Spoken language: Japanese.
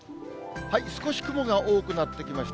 少し雲が多くなってきました。